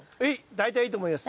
大体いいと思います。